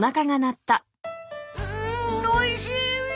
うんおいしい！